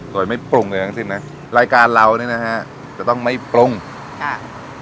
โดยไม่ปรุงอะไรทั้งสิ้นนะรายการเรานี่นะฮะจะต้องไม่ปรุงค่ะ